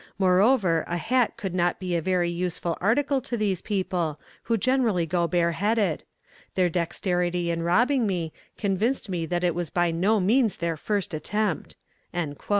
Moreover, a hat could not be a very useful article to these people, who generally go bare headed. Their dexterity in robbing me, convinced me that it was by no means their first attempt."